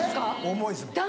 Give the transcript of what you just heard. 重いです。